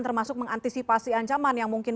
termasuk mengantisipasi ancaman yang mungkin